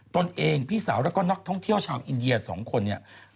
ตนเองพี่สาวแล้วก็นักท่องเที่ยวชาวอินเดีย๒คนเนี่ย